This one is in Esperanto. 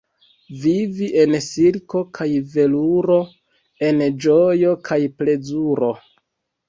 Vivi en silko kaj veluro, en ĝojo kaj plezuro.